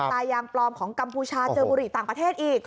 ตายางปลอมของกัมพูชาเจอบุหรี่ต่างประเทศอีก